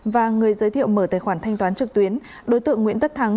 và người giới thiệu mở tài khoản thanh toán trực tuyến đối tượng nguyễn tất thắng